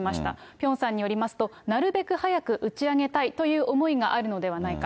ピョンさんによりますと、なるべく早く打ち上げたいという思いがあるのではないか。